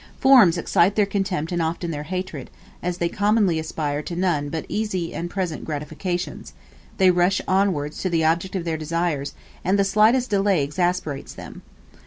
Forms excite their contempt and often their hatred; as they commonly aspire to none but easy and present gratifications, they rush onwards to the object of their desires, and the slightest delay exasperates them.